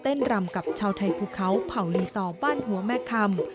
รำกับชาวไทยภูเขาเผ่าลีซอบ้านหัวแม่คำ